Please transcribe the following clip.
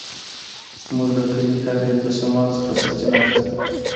زموږ د کلي کاریز له شمال څخه سرچينه اخيسته.